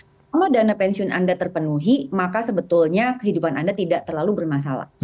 ketika dana pensiun anda terpenuhi maka sebetulnya kehidupan anda tidak terlalu bermasalah